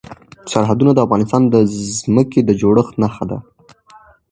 سرحدونه د افغانستان د ځمکې د جوړښت نښه ده.